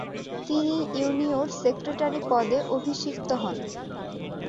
তিনি ইউনিওর সেক্রেটারী পদে অভিষিক্ত হন।